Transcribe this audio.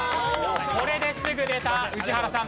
これですぐ出た宇治原さん。